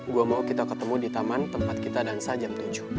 gue mau kita ketemu di taman tempat kita dansa jam tujuh